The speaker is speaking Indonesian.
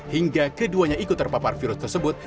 hingga keduanya ikut terpapar virus tersebut